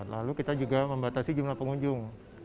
lalu kita juga membatasi jumlah pengunjung